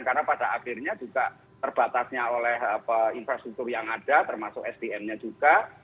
karena pada akhirnya juga terbatasnya oleh infrastruktur yang ada termasuk sdm nya juga